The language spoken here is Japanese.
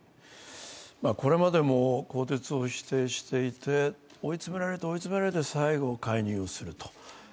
これまでも更迭を否定していて、追い詰められて追い詰められて最後介入すると。